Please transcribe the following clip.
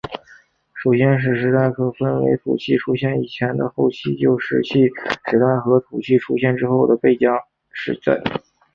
其先史时代可分为土器出现以前的后期旧石器时代和土器出现之后的贝冢时代。